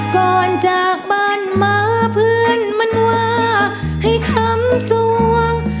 ก่อนจากบ้านมาเพื่อนมันว่าให้ช้ำสวง